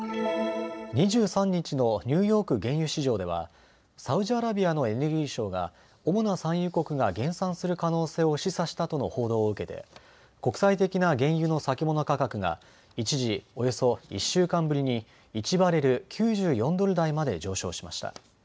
２３日のニューヨーク原油市場ではサウジアラビアのエネルギー相が主な産油国が減産する可能性を示唆したとの報道を受けて国際的な原油の先物価格が一時、およそ１週間ぶりに１バレル９４ドル台まで上昇しました。